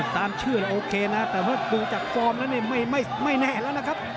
ตามชื่อโอเคนะแต่ว่าดูจากฟอร์มแล้วนี่ไม่แน่แล้วนะครับ